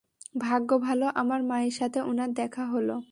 ভাগ্য ভাল আমার মায়ের সাথে উনার দেখা হলো।